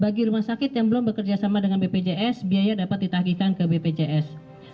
bagi rumah sakit yang belum bekerja sama dengan bpjs biaya dapat ditagihkan ke bpjs